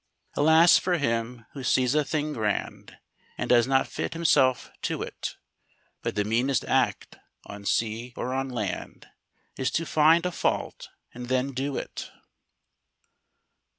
Alas for him who sees a thing grand And does not fit himself to it! But the meanest act, on sea or on land, Is to find a fault, and then do it!